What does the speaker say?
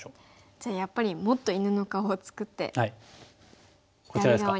じゃあやっぱりもっと犬の顔を作って左側に。